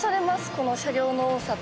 この車両の多さと。